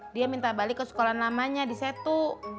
dia minta balik ke sekolah namanya di setu